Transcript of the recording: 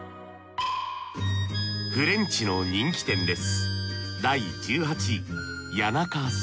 フレンチの人気店です